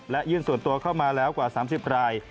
และยื่นส่วนตัวเข้ามาแล้วกว่า๓๐ราย